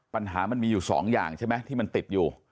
ปัญหามันมีอยู่สองอย่างใช่ไหมที่มันติดอยู่